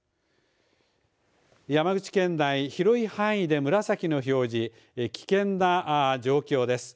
山口県内、広い範囲で紫の表示、危険な状況です。